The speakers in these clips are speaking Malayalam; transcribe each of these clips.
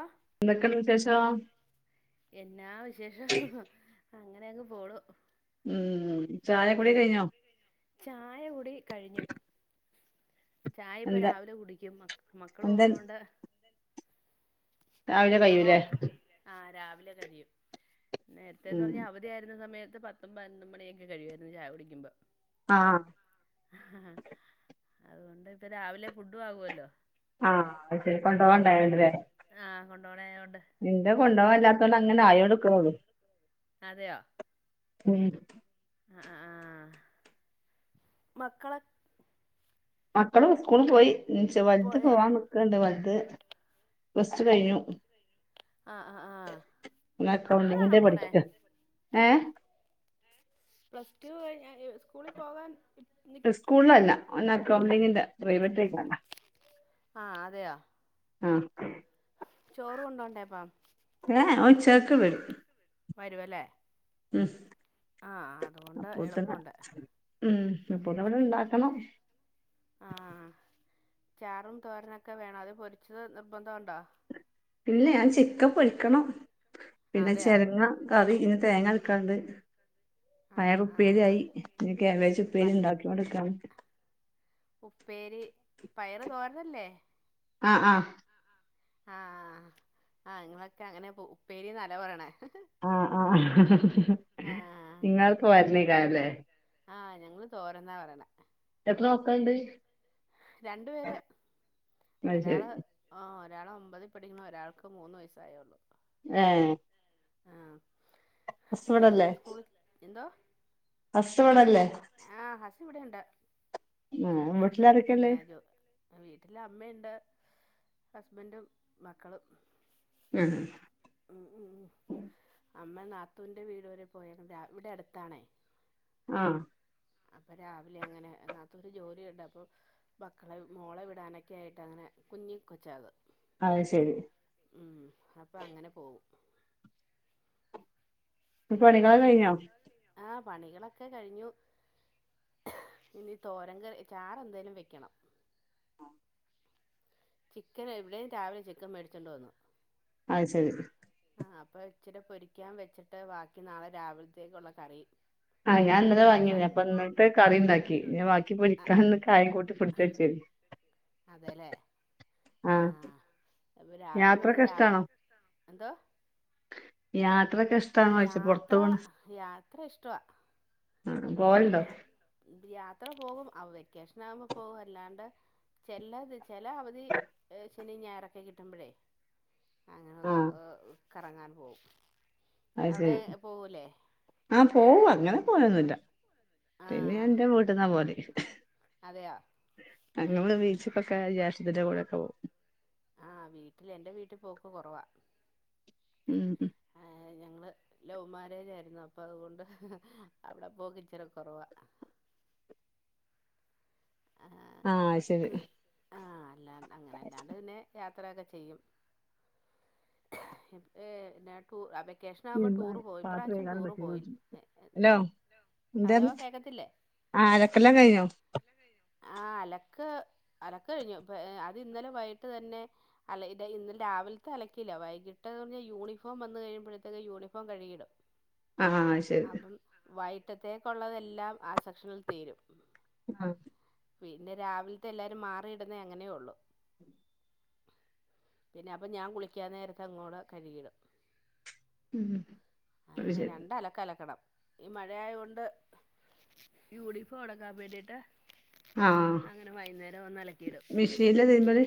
ആ എന്തൊക്കെണ്ട് വിശേഷം എന്നാ വിശേഷം അങ്ങനെയങ്ങ് പോണു ഉം ചായകുടി വൈകി കൈഞ്ഞോ ചായ കുടി കഴിഞ്ഞു ചായ ഇപ്പ രാവിലെ കുടിക്കും മക്കള് എന്താ പോണോണ്ട് രാവിലെ കൈയുല്ലെ ലെ കഴിയും നേരതേന് പർഞ്ഞാ അവധിയാര്ന്ന സമയത് പത്തും പതിനൊന്നും മണിയൊക്കെ കഴിയായിരുന്നു ചായുടിക്കുമ്പം ആഹ് ആഹ് അതുകൊണ്ട് ഇപ്പ രാവിലെ ഫുഡു ആവോല്ലോ ആഹ് അയ് ശരി കൊണ്ടോവാണ്ടായോണ്ട്ലെ ആഹ് കൊണ്ടോണായോ ഇന്റെ കൊണ്ടാവാല്ലാ തോണ്ടങ്ങനെ ആയോണ്ട്ക്ക്ണൊള്ളു അതെയോ ഉം അ അ ആഹ് മക്കളെ മക്കള് സ്കൂള് പോയി ൻച് വൽത് പോയോ പോവാൻ നിക്ക്ണ് ണ്ട് വൽ ത് പ്ലസ് ടു കഴിഞ്ഞു ആ ആ ആ ന് ഇപ്പഴാണോ അക്കൗണ്ടിങ്ന്റെ പോണേ പഠിക്കേ ഏഹ് പ്ലസ് ടു കഴിഞ്ഞ അ ഇ സ്കൂളി പോവാൻ സ്കൂളിലല്ല ഒന ക്കൗണ്ടിങ്ങിന്റെ പ്രൈവറ്റായി പോണ ആഹ് അതെയോ ആഹ് ചോറ് കൊണ്ടോണ്ടേപം ഏ ഓൻ ഉച്ചകക്ക് വരും വരുവലേ ഉം അപ്പോത് ന് എളുപ്പമുണ്ട് ഉം അപ്പന്നവ്ടെ ഇണ്ടാക്കണം ആഹ് ചാറും തോരനൊക്കെ വേണൊ അത് പൊരിച്ചത് നിർബദ്ധൊണ്ടൊ ഇല്ലാ ഞാൻ ചിക്കപ്പൊരിക്കണം പിന്നെ അതെയോ ചെരങ്ങ ക കറി ഇനി തേങ്ങ അരക്കാണ്ട് ആഹ് പയറുപ്പേരി ആയി ആഹ് ഇനി കാബ്ബേജ് പ ഉപ്പേരി ഇണ്ടാക്കൊണ്ട്ക്കാണ് ഉപ്പേരി പയറ് തോരനല്ലേ ആഹ് ആഹ് ആഹ് ആഹ് ഇങ്ങളൊക്കെ അങ്ങനെ പൊ ഉ ഉപ്പേരിന്നാലെ പറ്ണെ ആഹ് ആഹ് ആഹ് നിങ്ങൾ പോ വജ്മെ രാവ് ലേ ആഹ് ഞങ്ങള് തോരനാ പറയ്ന്നെ എത്ര മക്കള്ണ്ട് രണ്ട് പേര് അത് ശരി ഒരാള് ആഹ് ഒരാള് ഒമ്പതിൽ പഠിക്ക്ണ് ഒരാൾക്ക് മൂന്ന് വയസ്സായേള്ളൂ. ഏഹ് ആഹ് ഹസ് ഇവിടല്ലേ ചെറുതിനെ സ്കൂളി എന്തോ ഹസ് ഇവിടെ അല്ലേ? ആഹ് ഹസ് ഇവിടെയുണ്ട്. ആഹ് അത് ഇവിടെ വീട്ടിലാരൊക്കെയുള്ളേ തന്നൊ ജോ വീട്ടില് അമ്മയുണ്ട്. ഹസ്ബന്റും മക്കളും. ഉം ഉം ഉം അമ്മ നാത്തൂന്റെ വീട് വരെ പോയേ രാ ഇവിടെ അടുത്താണേ. ആഹ് അപ്പോ രാവിലെ അങ്ങനെ നാത്തൂന് ജോലിയുണ്ട് അപ്പോ മക്കളെ മോളെ വിടാനൊക്കെ ആയിട്ട് അങ്ങനെ കുഞ്ഞി കൊച്ചാ അത്. അത് ശരി ഉം അപ്പോ അങ്ങനെ പോവും. ഇപ്പം പണികാള് ഇടക്ക് കഴിഞ്ഞോ? ആ പണികളൊക്കെ കഴിഞ്ഞു. ഇനി തോരൻ കറി ചാറെന്തേലും വെയ്ക്കണം. ചിക്കനാ ഇവിടേയും രാവിലെ ചിക്കൻ മേടിച്ചോണ്ട് വന്നു. അയ് ശരി. ആ അപ്പോ ഇച്ചിരി പൊരിക്കാൻ വെച്ചിട്ട് ബാക്കി നാളെ രാവിലത്തേക്കുള്ള കറി ആഹ് ഞാൻ ഇന്നലെ ആക്കാം വാങ്ങിയതാ. അപ്പോ ഇന്നലത്തെ കറി ഉണ്ടാക്കി ഇനി ബാക്കി പൊരിക്കാന്ന് കായും കൂട്ടി [unintelligible] അതേല്ലേ ആഹ് ഇപ്പോ രാവിലെ മേടിച്ചേ യാത്രൊക്കെ രാവി ഇഷ്ടാണോ എന്തോ? യാത് ത്രയൊക്കെ ഇഷ്ടണോന്ന് ചോയിച്ചേ ച്ച് യാത്ര പൊറത്ത് പോണ്. യാത്ര ഇഷ്ടവാ [unintelligible] [unintelligible] യാത്ര പോകും. ആ വ് വെക്കേഷൻ ആകുമ്പോൾ പോകും. അല്ലാണ്ട് ചെല്ലാതി ചെല അവധി ഏ ശനി ഞായറൊക്കെ കിട്ടുമ്പഴേ അങ്ങനൊന്ന് ആഹ് ഏഹ്. കറങ്ങാൻ പോവും. അത് ശരി. ആഹ് പോവും. അങ്ങനെ പോവയൊന്നുയില്ല. [unintelligible] പിന്നെ ഞാൻ ആഹ് എൻ്റെ വീട്ടിന്നാ പോകല്. അതെയോ അങ്ങള് ബീച്ചിക്ക്ക്കൊക്കെ ജേഷ്‌ടത്തീടെ കൂടെ [unintelligible] ആഹ് വീട്ടില് എന്റെ വീട്ടി പോക്ക് കുറവാ. ഉം ഹ് ഏഹ് ഞങ്ങള് ലവ് മാരൃജാരുന്നു. അപ്പൊ അതുകൊണ്ട് അവിടെ പോക്ക് ഇച്ചിരി കൊറവാ. ആഹ് ശരി. ആ അല്ലാണ്ടങ്ങനെ അങ്ങനല്ലാണ്ട് പിന്നെ യാത്രയൊക്കെ ചെയ്യും. പിന്നെ [unintelligible] [unintelligible] ടൂറ് പോയി ഇപ്രാവശ്യം ടൂറ് പോയി ഹലോ എന്തോ എന്ത ഹലോ പറഞ് കേക്കത്തില്ലേ ആ അലക്കെല്ലാം കഴിഞ്ഞോ ആ അലക്ക് അലക്ക് കഴിഞ്ഞു അത് ഇന്നലെ വൈകിട്ട് തന്നെ അ ഇന്നലെ രാവിലത്തെ അലക്കില്ല വൈകിട്ട് യൂണിഫോം വന്ന് കഴിയുമ്പോഴത്തേക്ക് യൂണിഫോം കഴുകിയിടും ആ ശരി അപ്പം വൈ മുറ്റത്തേക്കുള്ളതെല്ലാം ആ സെക്ഷനിൽ തീരും ആ പിന്നെ രാവിലത്തെ എല്ലാവരും മാറിയിടുന്ന അങ്ങനെയോ ഉള്ളു പിന്നെ അപ്പം ഞാൻ കുളിക്കാൻ നേരത്ത് അങ്ങോട്ടു കഴുകിയിടും ഉം അത് അങ്ങനെ ശരി രണ്ട് അലക്ക് അലക്കണം ഈ മഴയായ കൊണ്ട് യൂണിഫോം ഒണങ്ങാൻ വേണ്ടീട്ട് ആ അലക്കിയിടും മിഷീനിലാ തിരുമ്പല്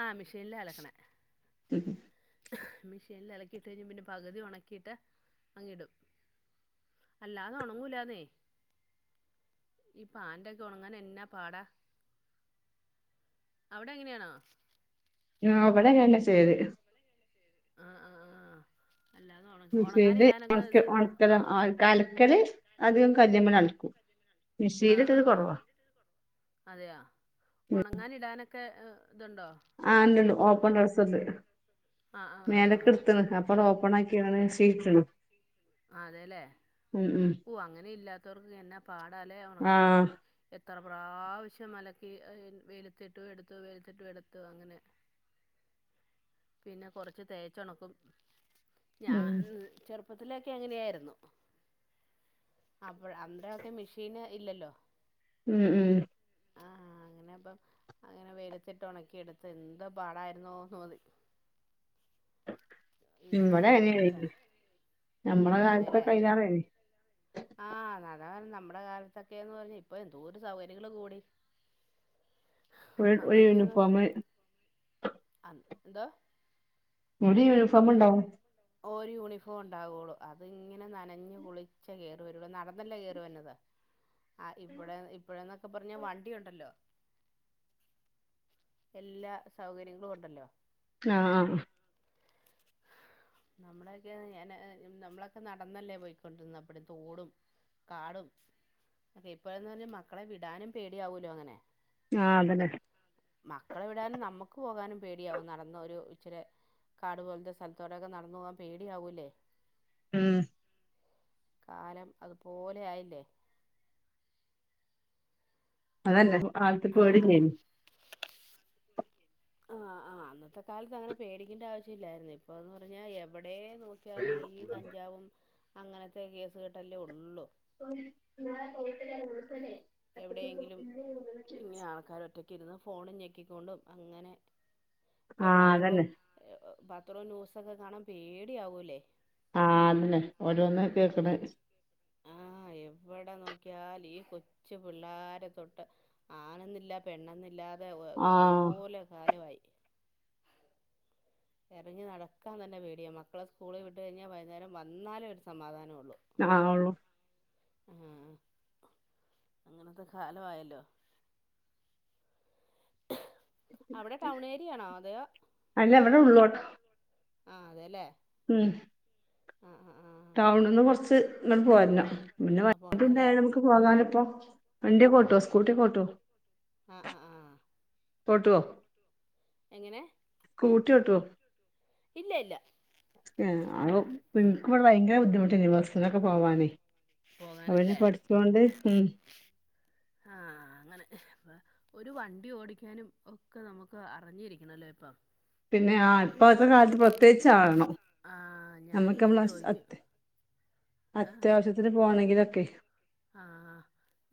ആ മിഷീനിലാ അലക്കണെ ഉം. മെഷീനിൽ അലക്കിയിട്ട് കഴിഞ്ഞ് പിന്നെ പകുതി ഒണക്കിയിട്ട് അങ്ങ് ഇടും അല്ലാതെ ഒണങ്ങൂലാന്നേ ഈ പാൻ്റൊക്കെ ഒണങ്ങാൻ എന്നാ പാടാ അവിടെ അങ്ങനെയാണോ അ ഇവിടെക്കങ്ങനാ ചെയ്യല് ആ ആ ആ അല്ലാതെ ഉണ മിഷീൽ ഉണങ്ങാനിടാനൊക്കെ ഒണക്കി സ ഉണ ഒണക്കല് അലക്കല് അധികും കല്ലിമ്മല് അൽക്കും ആ ആ ആ അതെയോ ഉം ഒണങ്ങാനിടാനൊക്കെ ക്കെ ഹ് ആ ഉണ്ടെണ്ട് ഒ [unintelligible] ആ ആ മേലക്ക് ആ ഇട്ത്ത്ണ് അപ്പ അവടെ ഓപ്പൺ ആ [unintelligible] അതെല്ലേ ഉം ഓ അങ്ങനെ ഇല്ലാത്തവർക്ക് എന്നാ പാടാല്ലെ ഒണങ്ങി ആഹ് എത് എത്ര പ്രാവശ്യംഒന്നലക്കി വെയ്ലത്തിട്ടു എടുത്തു വെയ്ലത്തിട്ടു എടുത്തു അങ്ങനെ പിന്നെ കുറച്ച് തേച്ച് ഒണക്കും ഞാൻ ഉം ചെറുപ്പ് ത്തിലൊക്കെ അങ്ങനെയായിരുന്നു അപ്പോൾ അന്നേരമൊക്കെ മെഷീന് ഇല്ലല്ലോ ഉം ഉം ആ അങ്ങനെ അപ്പം അങ്ങനെ വെയിലത്തിട്ട് ഒണക്കി എടുത്ത് എന്ത്‌ പാടായിരുന്നോ അത് ഇവിടെ അങ്ങനെണ് ഞമ്മള അതെല്ലേ കാലത്തൊക്കെ അയ്ലേറെയ്നി ആ അതാ പറഞ്ഞെ നമ്മടെ കാലത്തൊക്കെന്ന് പറഞ്ഞാൽ ഇപ്പൊ എന്തോരു സൗകര്യങ്ങള് കൂടി ഒരു ഒരു അന്നൊക്കെന്ന് യൂണിഫോമ് പറഞ്ഞ എന്തോ [unintelligible] യൂണിഫോമുണ്ടാവും ഒരുയൂണിഫോം ഉണ്ടാവൊള്ളു അത് ഇങ്ങനെ നനഞ്ഞു കുളിച്ച കേറി വരുള്ളൂ നടന്നല്ലെ കേറി വന്നത് ആ ഇവിടെ ഇപ്പഴന്നൊക്കെ പറഞ്ഞാ വണ്ടിയൊണ്ടല്ലോ എല്ലാ സൗകര്യങ്ങളും ഉണ്ടല്ലോ ആ നമ്മളൊക്കെ ഞാന നമ്മളൊക്കെ നടന്നല്ലേ പോയിക്കൊണ്ടിന്ന അപ്പട തോടും കാടും അത ഇപ്പോഴന്ന് പറഞ്ഞ മക്കളെ വിടാനും പേടിയാവൂലോ അങ്ങനെ ആ അത് തന്നെ മക്കളെ വിടാനും നമ്മുക്ക് പോകാനും പേടിയാവും നടന്ന ഒരു ഇച്ചിരി കാടു പോലത്തെ സ്ഥലത്തോടെക്കെ നടന്നു പോകൻ പേടിയാവൂല്ലേ? ഉം കാലം അതുപോലെ ആയില്ലേ അതു തന്നെ കാലത്തെപേടിയല്ലേ? ആ ആ അന്നത്തെ കാലത്ത് അങ്ങനെ പേടിക്കേണ്ട ആവശ്യം ഇല്ലായിരുന്നു ഇപ്പൊന്ന് പറഞ്ഞാ എവിടെയും നോക്കിയാൽ ഈ കഞ്ചാവും അങ്ങനത്തെ കേസുകെട്ടല്ലേ ഉള്ളു. രുന്ന്ഫോൺ ഞെക്കിക്കൊണ്ടും അങ്ങനെ ഇപ്പൊ ആഹ് പാത്രവും അതന്നെ പത്രവും ന്യൂസു ഒക്കെ കാണാൻ പേടിയ ആവൂല്ലേ? ആ അത് തന്നെ ഓരോന്ന് കേൾക്കണെ ആ എവിടെ നോക്കിയാൽ ഈ കൊച്ചു പിള്ളാരെ തൊട്ട് ആണന്നില്ല പെണ്ണെന്നില്ലാ അതെ ആഹ് അതുപോലെകാലമായി എറങ്ങി നടക്കാൻ തന്നെ പേടിയ മക്കളെ സ്കൂളിൽ വിട്ട് കഴിഞ്ഞാൽ വൈകുന്നേരം വന്നാലേ ഒരു സമാധാനം ഉള്ളൂ. ആ ഉള്ളു. ആ അങ്ങനത്തെ കാല ആയല്ലോ. അവിടെ ടൗൺ ഏരിയയാണോ അതെ? അല്ല ഇവിടെ ഉള്ളോട്ട് ആ അതെല്ലേ ഉം ആ ആ ടൗണിന്ന് കുറച്ച് ഇങ്ങോട്ട് പോരണം പിന്നെ ആ പോനോല്ലേ വൈകിട്ടുണ്ടായ നമുക്ക് പോകാലോ ഇപ്പോ? വണ്ടി ഓട്ടുവോ? സ്കൂട്ടി ഓട്ടുവോ? ആ ആ ആ പോട്ടു വോ എങ്ങനെ സ്കുട്ടി ഓട്ടുവോ? ഇല്ലല്ല [unintelligible] [unintelligible] ഭയങ്കര ബുദ്ധിമു വസത്തിനൊക്കെ പോവാനേ അവനെ പോകാനല്ലേ പഠിച്ചോണ്ട് ഉം ആ അങ്ങനെ ഒരു വണ്ടി ഓടിക്കാനും ഒക്കെ നമുക്ക് അറിഞ്ഞിരിക്കണല്ലോ ഇപ്പം പിന്നെ ആ ഇപ്പഴത്തെ കാലത്ത് പ്രത്യേകിച്ച് ആകണം ആ നമ്മുക്ക് ഞാനിങ്ങനെ ചോദിക്കും അത്‌ അത്യാവശ്യത്തിന് പോണങ്കിലൊ ക്കെ ആഹ്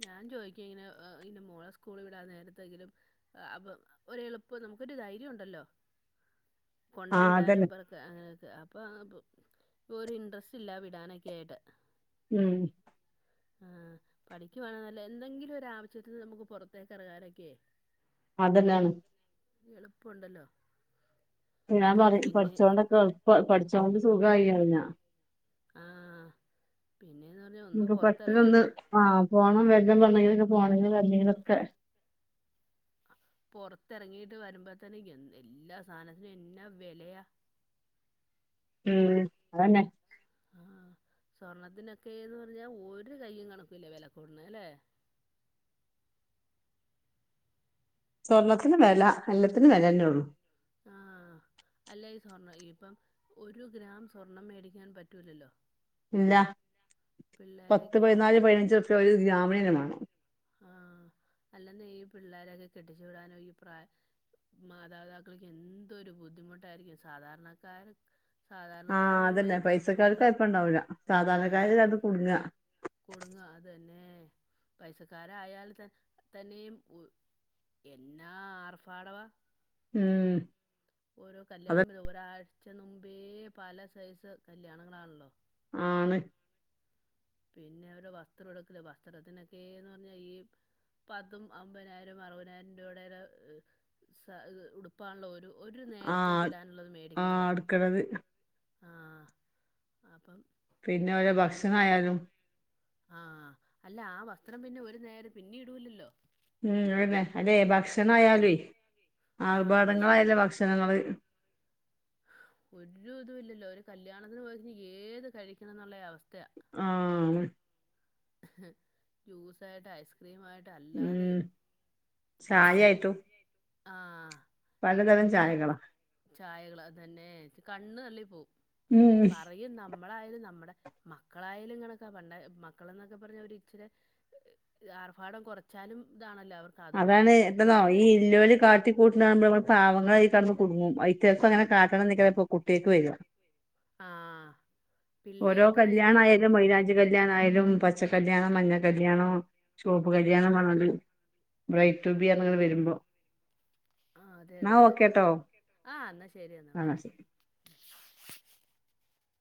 ഞാൻ ചോദിക്ക ഇങ്ങനെ ഇന്റെ മോളെ സ്കൂൾ വിടാ നേരത്തെങ്കിലും അപ്പ ഒ എളുപ്പ നമുക്കൊരു ധൈര്യണ്ടല്ലോ. ആ കൊണ്ടേ വിടാനും അതന്നെ [unintelligible] അപ്പൊ ഇപ്പ ഒരു ഇൻഡ്രസ്റ്റ് ഇല്ല വിടാനൊക്കെ ആയിട്ട് ഉം ആ പഠിക്കുവായാണെന്നല്ലോ എന്തെങ്കിലും ഒരു ആവശ്യത്തിന് നമുക്ക് പുറത്തേക്ക് ഇറങ്ങാനൊക്കെ അതന്നെയാണ്. എളുപ്പുണ്ടല്ലോ. ഞാൻ പറ പഠിച്ചോണ്ടൊക്കെ എളുപ്പ പഠി ച്ചോണ്ട് സുഖായി അറഞ്ഞ ആഹ് നമക്ക് പെട്ടലൊന്ന് ആഹ് പോണം വേ ഇതാമ്പോ എന്നെങ്കിലും പോണെങ്കിൽ വന്നെങ്കിലൊക്കെ പുറത്തിറങ്ങിട്ട് വരുമ്പോത്തന്നെ എ എല്ലാ സാധനത്തിനും എന്നാ വിലയാ. ഉം അതന്നെ ആ സ്വർണത്തിനൊക്കെന്ന് പറഞ്ഞാ ഒരു കയ്യും കണക്കുല്ല വില കൂടുന്നത് അല്ലേ സ്വർണ്ണത്തിന് വില എല്ലത്തിനും വില തന്നെ ഉള്ളു ആഹ് അല്ല ഈ സ്വർണം ഇപ്പം ഒരു ഗ്രാം സ്വർണം മേടിക്കാൻ പറ്റൂലല്ലോ ഇല്ല പത്ത് പിള്ളേരൊക്കെ ആ പതിനാല് പതിനഞ്ചുർപ്യ ഒരു ഗ്രാമിനന്നേ മാണം ആഹ് അല്ലെന്നെ ഈ പിള്ളോരൊക്കെ കെട്ടിച്ചു വിടാനും ഈ പ്രാ മാതാപിതാക്കൾക്ക് എന്തൊരു ബുദ്ധിമുട്ടായിരിക്കും സാധാരണക്കാര് ആഹ് സാധാരണക്കാരാണല്ലോ അതന്നെ ഈ പെട്ടു പൈസക്കാർ പോണത് അ കുഴപ്പണ്ടാവൂല സാധാരണക്കാര് അത് കുടുങ്ങ കുടുങ്ങ അത് തന്നെ പൈസക്കാരായാൽ ത തന്നെയും എന്നാ ആർഭാടവാ ഉം ഓരോ അത് കല്യാണം ഒരു ഓരാഴ്ച പക്ഷേ നുമ്പേ പല സൈസ് കല്യാണങ്ങളാണല്ലോ ആണ് പിന്നെ അവടെ വസ്ത്രം എടുക്കല വസ്ത്രത്തിനൊക്കെന്ന് പറഞ്ഞാൽ ഈ പത്തും അമ്പതിനായിരം അറുപതിനായിരം രൂപയുടെ ഉടുപ്പാനെല്ലോ ഒരു ഒരു നേരത്തേക്ക് ആഹ് ഇടാനുള്ളത് ആഹ് മേടിക്കണതാ അടുക്കണത് ആഹ അപ്പം പിന്നെ ഓലെ ഭക്ഷണായാലും ആ അല്ല ആ വസ്ത്രം പിന്നെ ഒരു നേരം പിന്നെ ഇടൂലല്ലോ ഉം അതന്നെ അല്ലെ ഭക്ഷണം ആയാലും ആ ഭക്ഷണം ആർഭാടങ്ങളായല്ലേ ഭക്ഷണങ്ങള് ഒരു ഇതും ഇല്ലല്ലോ ഒരു കല്യാണത്തിന് പോയി ഏത് കഴിക്കണം എന്നുള്ള അവസ്ഥയാ ആഹ് ജ്യൂസ് ആയിട്ട് ഐസ് ക്രീമായിട്ട് ഉം അല്ലാതെയും ചായായിട്ടും ആഹ പലതരം ചായകള തന്നെ കണ്ണ് തള്ളി പോവും ഉം പറയു ന്നമ് നമ്മളായാലും നമ്മുടെ മക്കളായാലും ഇങ്ങനക്കെ പണ്ടെ മ നമ്മളൊക്കെ എന്നൊക്കെ പറഞ്ഞാൽ ഒ ഇച്ചിരി ആർഭാടം കുറച്ചാലും ഇതാണ് അതാണ് എത്താനോ ഇല്ലോൽ കാട്ടികൂട്ടുന്നത് കാണുബോ നമ്മൾ പാവങ്ങള് കടന്ന് കുടുങ്ങും ഐ കുട്ടേക്കും കൂ അങ്ങനെ കാട്ടണം എന്നെക്കും കു ടെക് വരാ ആഹ് ഓരോ പിള്ളേർക്ക് ഇത് കല്യാണ ആയാലും കാണുമ്പ മൈലാഞ്ചി കല്യാണയാലും പച്ചക്കല്യാണം മഞ്ഞ കല്യാണം ചോപ്പ് കല്യാണം പറഞ്ഞതിരി ബ്രൈറ്റൂബി പറഞ്ഞു വരുമ്പോ ആ അതെ ന്നാ അതെ അതെ ഓക്കേട്ടോ ആ എന്നാ ശരി ആഹ് ശരി